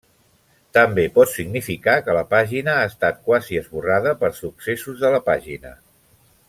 També pot significar que la pàgina ha estat quasi esborrada per successos de la pàgina.